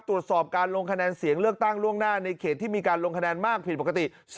ตรวจสอบการลงคะแนนเสียงเลือกตั้งล่วงหน้าในเขตที่มีการลงคะแนนมากผิดปกติ